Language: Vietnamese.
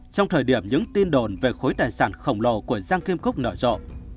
trong thời điểm những tin đồn về khối tài sản khổng lồ của giang kim cúc nở rộ